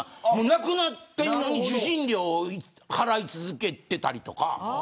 亡くなってるのに受信料を払い続けていたりとか。